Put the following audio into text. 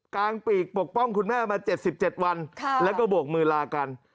กลางปีกปกป้องคุณแม่มา๗๗วันแล้วก็โบกมือลากัน